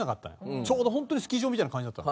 ちょうど本当にスキー場みたいな感じだったの。